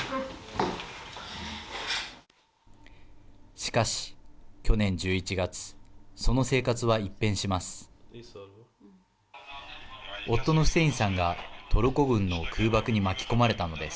しかし去年１１月その生活は一変します。